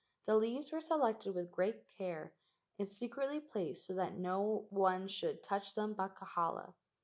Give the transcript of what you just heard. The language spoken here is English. The leaves were selected with great care and secretly placed so that no one should touch them but Kahala.